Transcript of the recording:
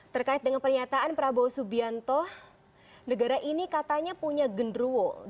terkait dengan pernyataan prabowo subianto negara ini katanya punya genruwo